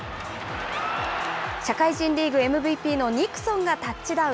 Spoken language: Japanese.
社会人リーグＭＶＰのニクソンがタッチダウン。